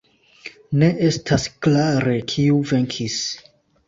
Ne estas klare kiu venkis.